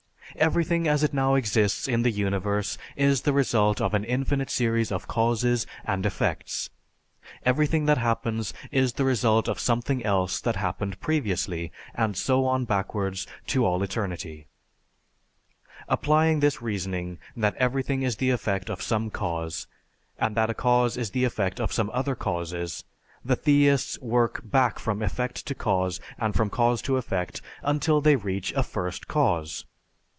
Everything as it now exists in the universe is the result of an infinite series of causes and effects. Everything that happens is the result of something else that happened previously and so on backwards to all eternity. Applying this reasoning that everything is the effect of some cause, and that a cause is the effect of some other causes, the theists work back from effect to cause and from cause to effect until they reach a First Cause.